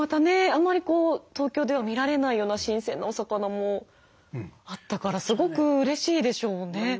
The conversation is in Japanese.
あんまり東京では見られないような新鮮なお魚もあったからすごくうれしいでしょうね。